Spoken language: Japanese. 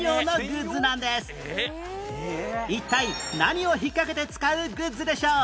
一体何を引っかけて使うグッズでしょう？